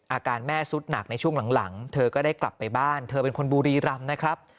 อาการแม่สุดหนักในช่วงหลังเธอก็ได้กลับไปบ้านเธอเป็นคนบุรีรำนะครับ